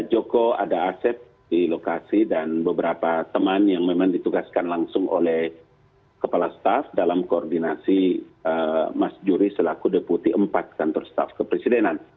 joko ada asep di lokasi dan beberapa teman yang memang ditugaskan langsung oleh kepala staf dalam koordinasi mas juri selaku deputi empat kantor staff kepresidenan